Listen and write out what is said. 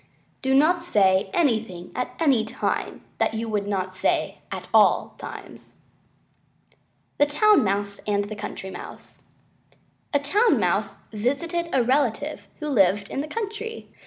Do not say anything at any time that you would not say at all times. THE TOWN MOUSE AND THE COUNTRY MOUSE A Town Mouse once visited a relative who lived in the country.